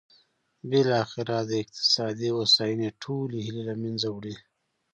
بالاخره د اقتصادي هوساینې ټولې هیلې له منځه وړي.